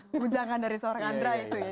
perbincangan dari seorang adra itu ya